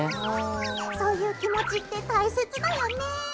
うんうんそういう気持ちって大切だよね。